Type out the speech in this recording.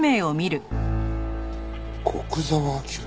「古久沢明」。